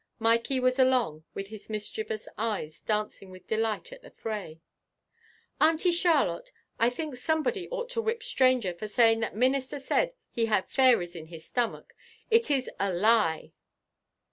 Mikey was along, with his mischievous eyes dancing with delight at the fray. "Auntie Charlotte, I think somebody ought to whip Stranger for saying that Minister said he had fairies in his stomach. It is a lie."